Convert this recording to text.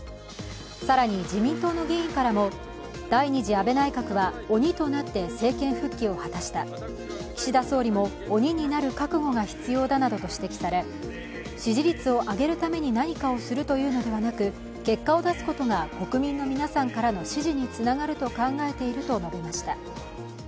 更に、自民党の議員からも第２次安倍内閣は鬼となって政権復帰を果たした、岸田総理も鬼になる覚悟が必要だなどと指摘され支持率を上げるために何かをするというのではなく結果を出すことが国民の皆さんからの支持につながると考えていると述べました。